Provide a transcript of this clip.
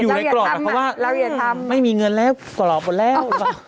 กรอบหมายความว่าเราอย่าทำไม่มีเงินแล้วกรอบหมดแล้ว